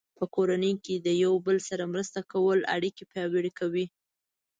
په کورنۍ کې د یو بل سره مرسته کول اړیکې پیاوړې کوي.